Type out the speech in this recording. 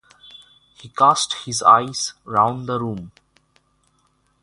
He cast his eyes round the room.